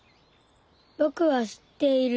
ぼくは知っている。